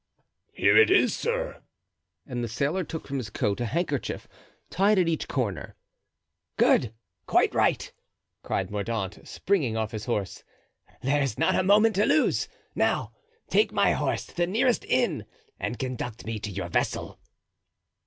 "Here it is, sir," and the sailor took from his coat a handkerchief, tied at each corner. "Good, quite right!" cried Mordaunt, springing off his horse. "There's not a moment to lose; now take my horse to the nearest inn and conduct me to your vessel."